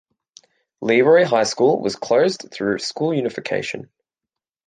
LeRoy High School was closed through school unification.